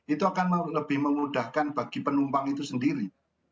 itu akan lebih memudahkan bagi penumpang itu sendiri